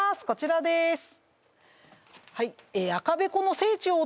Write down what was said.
こちらです